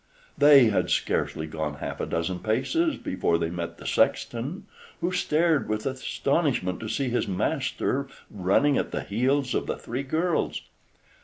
They had scarcely gone half a dozen paces before they met the sexton, who stared with astonishment to see his master running at the heels of the three girls.